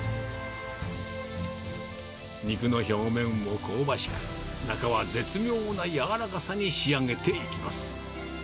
肉の表面を香ばしく、中は絶妙な柔らかさに仕上げていきます。